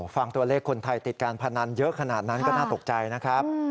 ฟังตัวเลขคนไทยติดการพนันเยอะขนาดนั้นก็น่าตกใจนะครับ